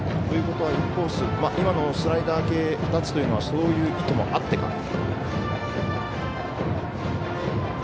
ということはインコース今のスライダー系２つというのはそういう意図もあってか。